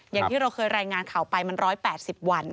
อย่างที่เราเคยรายงานข่าวไปมัน๑๘๐วัน